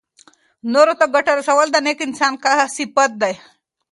نورو ته ګټه رسول د نېک انسان صفت دی.